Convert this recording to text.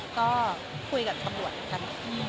ก็คุยกับกรรมบริวัติกัน